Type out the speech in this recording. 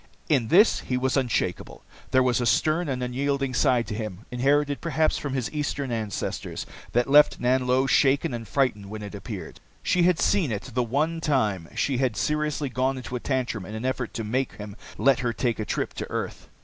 In this he was unshakeable. There was a stern and unyielding side to him, inherited perhaps from his Eastern ancestors, that left Nanlo shaken and frightened when it appeared. She had seen it the one time she had seriously gone into a tantrum in an effort to make him let her take a trip to earth.